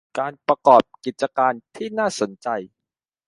การประกอบกิจการที่น่าสนใจ